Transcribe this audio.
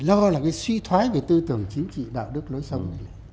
lo là cái suy thoái về tư tưởng chính trị đạo đức lối sống này